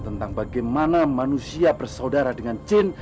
tentang bagaimana manusia bersaudara dengan chin